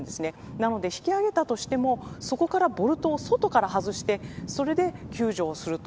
なので、引き揚げたとしてもそこからボルトを外から外して救助をすると。